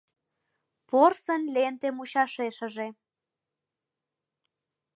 Порсын ленте мучашешыже